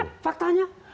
ya kan faktanya